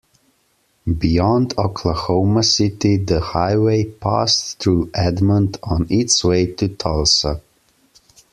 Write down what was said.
Beyond Oklahoma City, the highway passed through Edmond on its way to Tulsa.